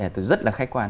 tôi rất là khách quan